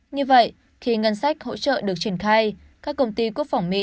như vậy khi ngân sách hỗ trợ được triển khai các công ty quốc phòng mỹ